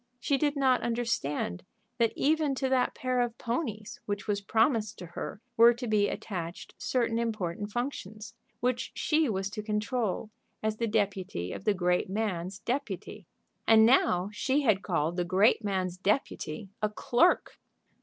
She did not understand that even to that pair of ponies which was promised to her were to be attached certain important functions, which she was to control as the deputy of the great man's deputy And now she had called the great man's deputy a clerk!